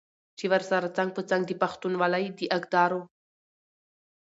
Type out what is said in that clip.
چې ورسره څنګ په څنګ د پښتونولۍ د اقدارو